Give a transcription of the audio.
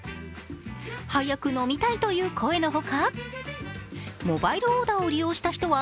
早く飲みたいという声のほかモバイルオーダーを利用した人は